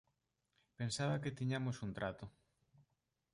Pensaba que tiñamos un trato.